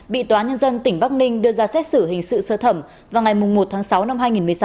bị tòa nhân dân tỉnh bắc ninh đưa ra xét xử hình sự sơ thẩm vào ngày một tháng sáu năm hai nghìn một mươi sáu